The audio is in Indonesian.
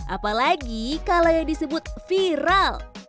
apalagi kalau yang disebut viral